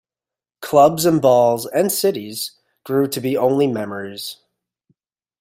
Clubs and balls and cities grew to be only memories.